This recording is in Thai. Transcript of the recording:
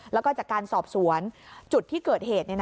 แล้วก็จากการสอบสวนจุดที่เกิดเหตุ